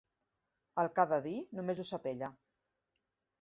El que ha de dir només ho sap ella.